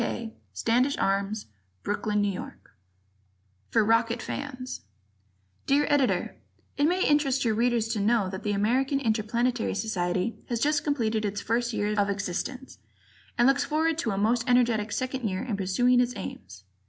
Kay, Standish Arms, Brooklyn, N. Y. For Rocket Fans Dear Editor: It may interest your Readers to know that the American Interplanetary Society has just completed its first year of existence, and looks forward to a most energetic second year in pursuing its aims.